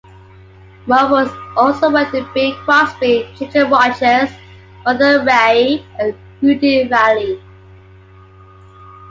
Morros also worked with Bing Crosby, Ginger Rogers, Martha Raye, and Rudy Vallee.